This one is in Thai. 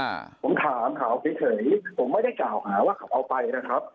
อ่าผมถามเขาเฉยเฉยผมไม่ได้กล่าวหาว่าเขาเอาไปนะครับ